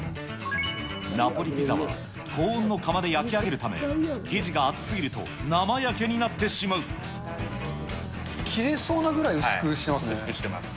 ナポリピザは高温の窯で焼き上げるため、生地が厚すぎると生焼け切れそうなぐらい薄くしてま薄くしてます。